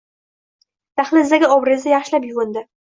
Dahlizdagi obrezda yaxshilab yuvindi.